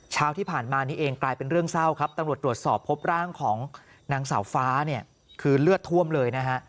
เช้าที่ผ่านมานี้เองกลายเป็นเรื่องเศร้าครับตำรวจตรวจสอบพบร่างของนางสาวฟ้าเนี่ยคือเลือดท่วมเลยนะฮะ